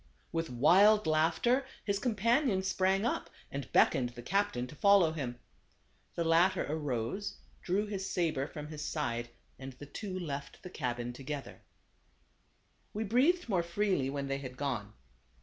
With wild laughter his companion sprang up, and beckoned the captain to follow him. The latter arose, drew his saber from his side, and the two left the cabin together. 118 THE CAB AVAN. We breathed more freely when they had gone.